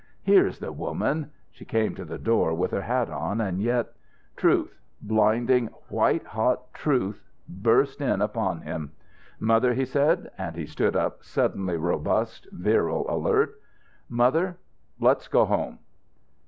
Here's the woman she came to the door with her hat on, and yet " Truth blinding, white hot truth burst in upon him. "Mother," he said and he stood up, suddenly robust, virile, alert "mother, let's go home."